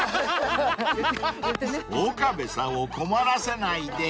［岡部さんを困らせないで］